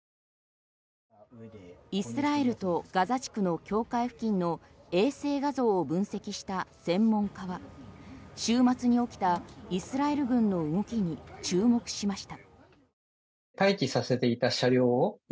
イスラエルとガザ地区の境界付近の衛星画像を分析した専門家は週末に起きたイスラエル軍の動きに注目しました。